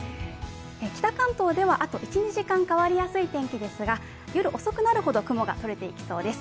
北関東ではあと１２時間変わりやすい天気ですが、夜遅くなるほど雲がとれていきそうです。